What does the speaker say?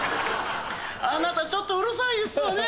あなたちょっとうるさいですわね。